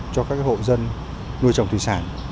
cho các hộ dân nuôi trồng thủy sản